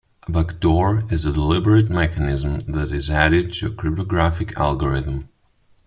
A backdoor is a deliberate mechanism that is added to a cryptographic algorithm.